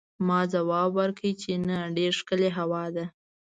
ما ځواب ورکړ چې نه، ډېره ښکلې هوا ده.